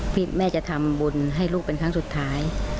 แม่จะทำบุญให้ลูกเป็นครั้งสุดท้าย